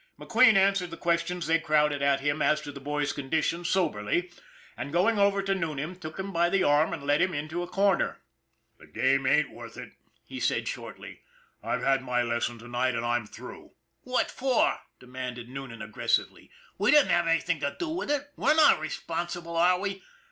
McQueen answered the questions they crowded at him as to the boy's condition soberly, and going over to Noonan took him by the arm and led him into a corner. :( The game ain't worth it," he said shortly. " I've had my lesson to night and I'm through !";< What for ?" demanded Noonan aggressively. " We didn't have anything to do with it. We're not responsible, are we?"